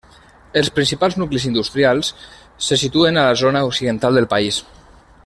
Els principals nuclis industrials se situen a la zona occidental del país.